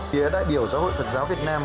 chỉ ở đại biểu giáo hội phật giáo việt nam